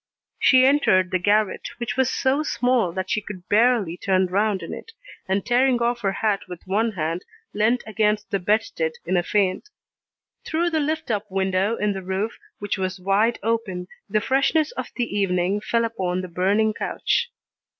She entered the garret, which was so small that she could barely turn round in it, and tearing off her hat with one hand leant against the bedstead in a faint. Through the lift up window in the roof, which was wide open, the freshness of the evening fell upon the burning couch.